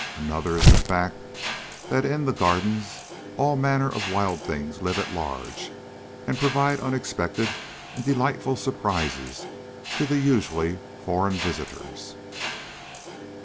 Another is the fact that in the Gardens all manner of wild things live at large and provide unexpected and delightful surprises to the usually foreign visitors.